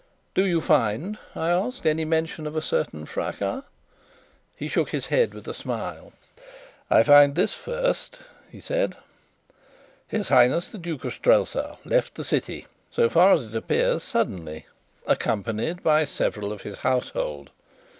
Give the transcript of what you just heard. "Do you find," I asked, "any mention of a certain fracas?" He shook his head with a smile. "I find this first," he said: "'His Highness the Duke of Strelsau left the city (so far as it appears, suddenly), accompanied by several of his household.